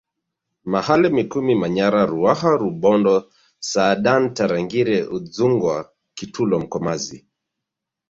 Mahale Mikumi Manyara Ruaha Rubondo saadan Tarangire Udzungwa Kitulo Mkomazi